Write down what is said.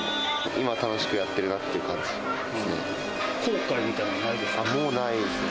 今、楽しくやってるなって感じですね。